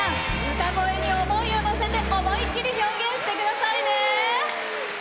歌声に思いをのせて思いっきり表現してくださいね！